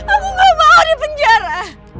aku gak mau di penjara